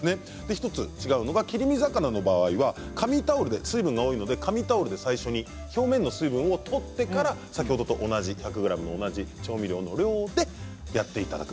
１つ違うのは切り身魚の場合は水分が多いので紙タオルで表面の水分を取ってから先ほどと同じ量の調味料でやっていただく。